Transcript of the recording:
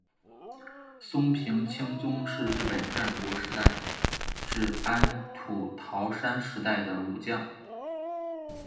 松平清宗是日本战国时代至安土桃山时代的武将。